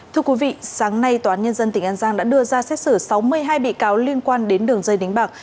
thưa quý vị sáng nay tòa án nhân dân tỉnh an giang đã đưa ra xét xử sáu mươi hai bị cáo liên quan đến đường dây đánh bạc